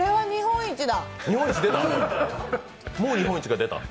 日本一！